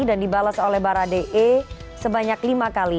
dan dibalas oleh baradae sebanyak lima kali